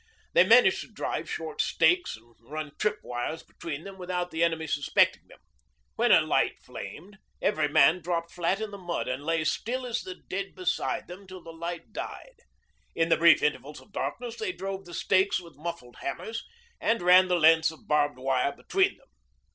They managed to drive short stakes and run trip wires between them without the enemy suspecting them. When a light flamed, every man dropped flat in the mud and lay still as the dead beside them till the light died. In the brief intervals of darkness they drove the stakes with muffled hammers, and ran the lengths of barbed wire between them.